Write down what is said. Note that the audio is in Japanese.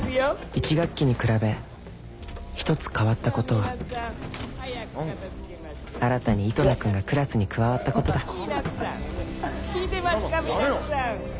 １学期に比べ１つ変わったことはなんだよ新たにイトナ君がクラスに加わったことだ聞いてますか皆さん？